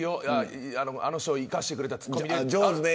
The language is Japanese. あの人を生かしてくれたツッコミで。